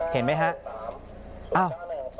เห็นไหมฮะเอ้า